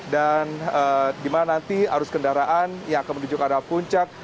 di mana nanti arus kendaraan yang akan menuju ke arah puncak